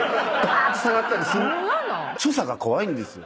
所作が怖いんですよ。